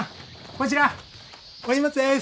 こちらお荷物です！